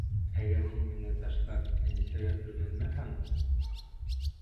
Әгәр һин мине ташлап, Әнисәгә өйләнмәһәң...